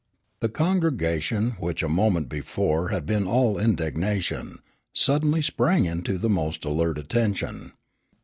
The congregation, which a moment before had been all indignation, suddenly sprang into the most alert attention.